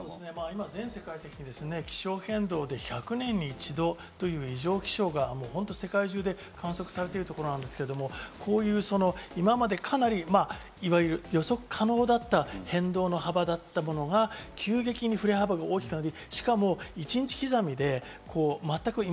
全世界的に気象変動で１００年に一度という異常気象が世界中で観測されているところなんですけど、こういう今までかなり、いわゆる予測可能だった変動の幅だったものが急激に振れ幅が大きくなる。